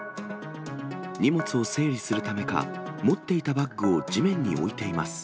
荷物を整理するためか、持っていたバッグを地面に置いています。